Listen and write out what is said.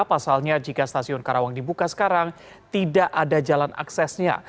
pasalnya jika stasiun karawang dibuka sekarang tidak ada jalan aksesnya